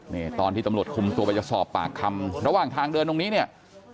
นี่ตอนที่ตำรวจคุมตัวไปจะสอบปากคำระหว่างทางเดินตรงนี้เนี่ย